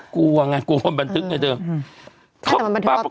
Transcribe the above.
กลัวไงกลัวโพรนบันตึ๊กอย่างเดิม